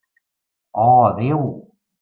Oh, Déu!